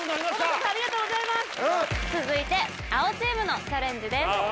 続いて青チームのチャレンジです。